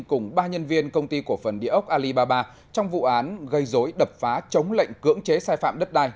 cùng ba nhân viên công ty cổ phần địa ốc alibaba trong vụ án gây dối đập phá chống lệnh cưỡng chế sai phạm đất đai